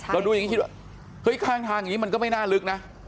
เราดูอย่างนี้คิดว่าเฮ้ยข้างทางอย่างนี้มันก็ไม่น่าลึกนะ